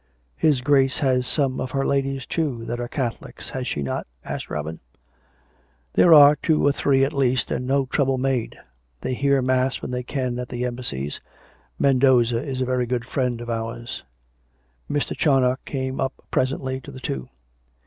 " Her Grace has some of her ladies, too, that are Catho lics, has she not?" asked Robin. " There are two or three at least, and no trouble made. They hear mass when they can at the Embassies. Men doza is a very good friend of ours." Mr. Charnoc came up presently to the two.